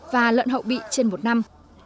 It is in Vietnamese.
và lợn hậu bị trên một năm